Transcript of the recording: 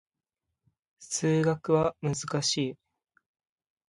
数学は難しい